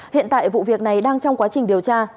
hiện tại vụ việc này đang trong quá trình điều tra